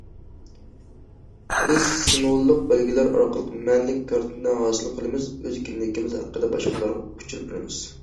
بىز سىمۋوللۇق بەلگىلەر ئارقىلىق مەنىلىك كارتىنا ھاسىل قىلىمىز، ئۆز كىملىكىمىز ھەققىدە باشقىلارغا ئۇچۇر بېرىمىز.